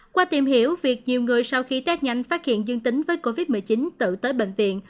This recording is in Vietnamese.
qua tìm hiểu việc nhiều người sau khi test nhanh phát hiện dương tính với covid một mươi chín tự tới bệnh viện